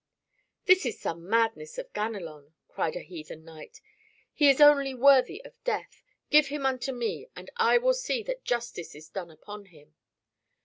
"This is some madness of Ganelon!" cried a heathen knight. "He is only worthy of death. Give him unto me, and I will see that justice is done upon him."